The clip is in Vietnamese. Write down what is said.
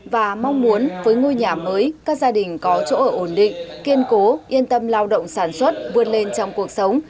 và mong muốn với ngôi nhà mới các gia đình có chỗ ở ổn định kiên cố yên tâm lao động sản xuất vươn lên trong cuộc sống